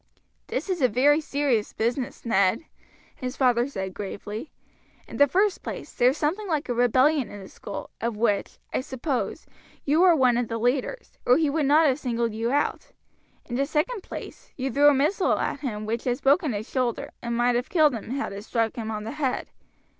"This is a very serious business, Ned," his father said gravely. "In the first place, there is something like a rebellion in the school, of which, I suppose, you were one of the leaders or he would not have singled you out. In the second place, you threw a missile at him, which has broken his shoulder, and might have killed him had it struck him on the head.